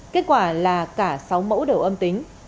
kết quả là cả sáu mẫu đều âm tính